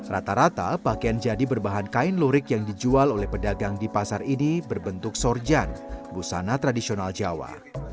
rata rata pakaian jadi berbahan kain lurik yang dijual oleh pedagang di pasar ini berbentuk sorjan busana tradisional jawa